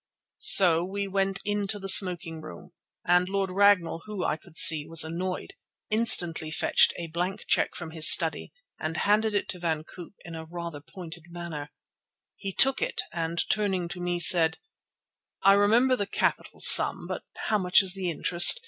So we went into the smoking room, and Lord Ragnall, who, I could see, was annoyed, instantly fetched a blank cheque from his study and handed it to Van Koop in rather a pointed manner. He took it, and turning to me, said: "I remember the capital sum, but how much is the interest?